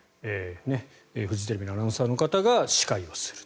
フジテレビのアナウンサーの方が司会をする。